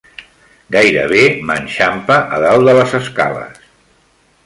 Gairebé m'enxampa a dalt de les escales.